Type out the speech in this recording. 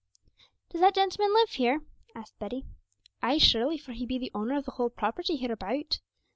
'Does that gentleman live here?' asked Betty. 'Ay, surely, for he be the owner of the whole property hereabout.